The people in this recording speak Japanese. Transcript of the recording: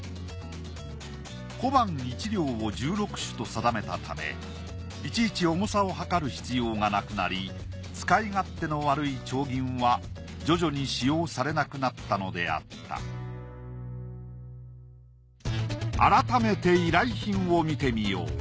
小判１両を１６朱と定めたためいちいち重さを量る必要がなくなり使い勝手の悪い丁銀は徐々に使用されなくなったのであった改めて依頼品を見てみよう。